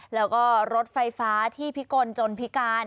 แล้วก็รถไฟฟ้าที่พิกลจนพิการ